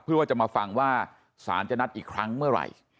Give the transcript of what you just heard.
เพื่อว่าจะมาฟังว่าสารจะนัดอีกครั้งเมื่อไหร่